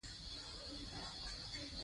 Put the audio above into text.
نثر منظم او با قاعده اهنګ نه لري.